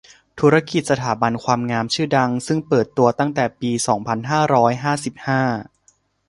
ธุรกิจสถาบันความงามชื่อดัง ซึ่งเปิดตัวตั้งแต่ปี สองพันห้าร้อยห้าสิบห้า